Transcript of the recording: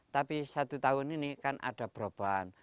tapi satu tahun ini kan ada perubahan